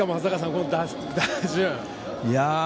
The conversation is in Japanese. この打順。